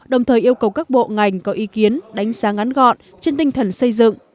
đồng thời yêu cầu các bộ ngành có ý kiến đánh sáng án gọn trên tinh thần xây dựng